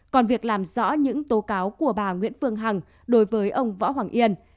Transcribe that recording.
còn việc làm rõ những tố cáo của bà nguyễn phương hằng đối với ông võ hoàng yên